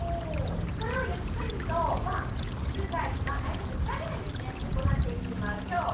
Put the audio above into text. これをゆっくり、大体１０回ぐらいですね、行っていきましょう。